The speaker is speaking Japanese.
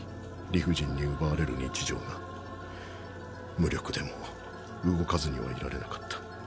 無力でも動かずにはいられなかった。